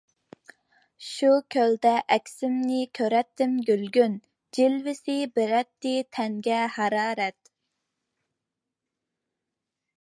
شۇ كۆلدە ئەكسىمنى كۆرەتتىم گۈلگۈن، جىلۋىسى بېرەتتى تەنگە ھارارەت.